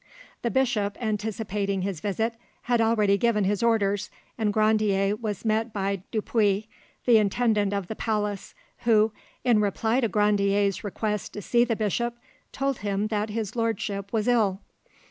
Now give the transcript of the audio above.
The bishop, anticipating his visit, had already given his orders, and Grandier was met by Dupuis, the intendant of the palace, who, in reply to Grandier's request to see the bishop, told him that his lordship was ill.